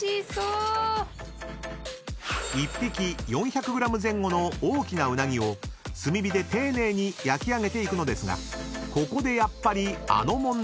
［１匹４００ｇ前後の大きなウナギを炭火で丁寧に焼き上げていくのですがここでやっぱりあの問題が］